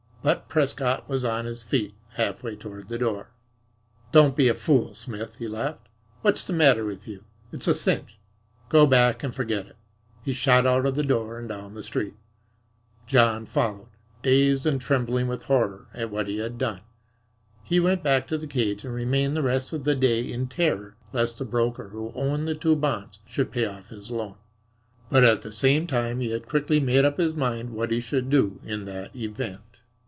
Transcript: But Prescott was on his feet, half way toward the door. "Don't be a fool, Smith," he laughed. "What's the matter with you? It's a cinch. Go back and forget it." He shot out of the door and down the street. John followed, dazed and trembling with horror at what he had done. He went back to the cage and remained the rest of the day in terror lest the broker who owned the two bonds should pay off his loan. But at the same time he had quickly made up his mind what he should do in that event.